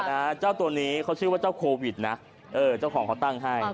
นะเจ้าตัวนี้เขาชื่อว่าเจ้าโควิดนะเออเจ้าของเขาตั้งให้